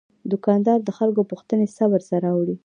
دوکاندار د خلکو پوښتنې صبر سره اوري.